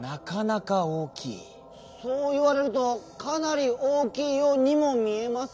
そういわれると「かなり大きい」ようにも見えますね。